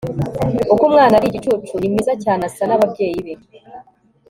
uko umwana ari igicucu, ni mwiza cyane asa nababyeyi be